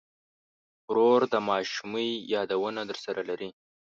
ورور د ماشومۍ یادونه درسره لري.